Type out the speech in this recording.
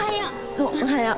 おっおはよう！